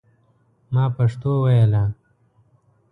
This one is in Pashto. ما پښتو ویله.